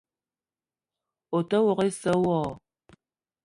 O te ouok issa wo?